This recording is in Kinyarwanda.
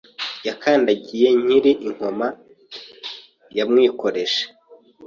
Yakandagiye Nyiri i Nkoma Yamwikoreje